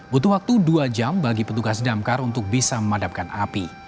butuh waktu dua jam bagi petugas damkar untuk bisa memadamkan api